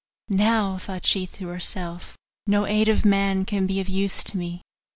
'Now,' thought she to herself, 'no aid of man can be of use to me.